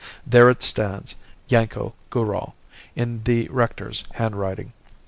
There it stands Yanko Goorall in the rector's handwriting.